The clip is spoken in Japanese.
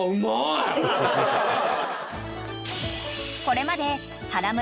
［これまで］